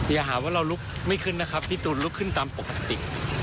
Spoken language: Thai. อย่าหาว่าเราลุกไม่ขึ้นนะครับพี่ตูนลุกขึ้นตามปกติ